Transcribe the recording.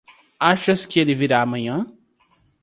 Achas que ele virá amanhã?